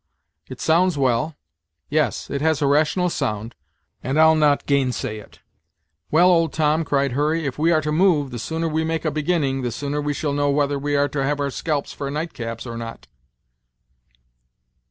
"It sounds well yes, it has a rational sound; and I'll not gainsay it." "Well, old Tom," cried Hurry, "If we are to move, the sooner we make a beginning, the sooner we shall know whether we are to have our scalps for night caps, or not."